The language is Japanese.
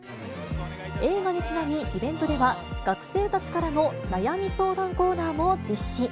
映画にちなみ、イベントでは、学生たちからの悩み相談コーナーも実施。